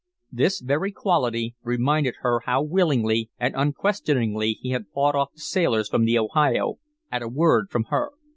This very quality reminded her how willingly and unquestioningly he had fought off the sailors from the Ohio at a word from her.